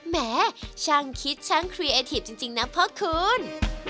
แหมช่างคิดช่างครีเอทีฟจริงนะพ่อคุณ